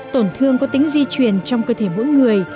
tổn thương có tính di truyền trong cơ thể mỗi người